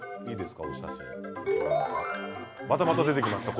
またまた出てきました。